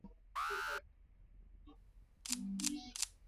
Chini ya maji kuna miamba ya matumbawe mengi